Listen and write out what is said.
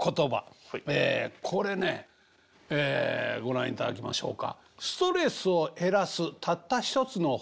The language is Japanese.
これねご覧いただきましょうか。